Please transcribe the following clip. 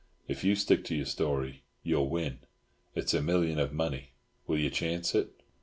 If you stick to your story you will win. It's a million of money. Will you chance it?"